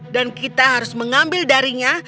dan kita harus mengambil darinya